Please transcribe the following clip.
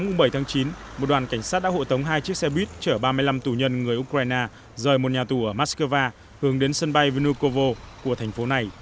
ngày bảy tháng chín một đoàn cảnh sát đã hộ tống hai chiếc xe buýt chở ba mươi năm tù nhân người ukraine rời một nhà tù ở moscow hướng đến sân bay vnukovo của thành phố này